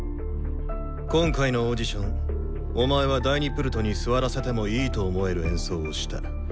今回のオーディションお前は第２プルトに座らせてもいいと思える演奏をした。